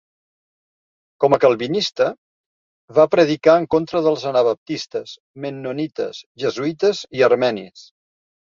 Com a Calvinista, va predicar en contra dels anabaptistes, mennonites, jesuïtes i armenis.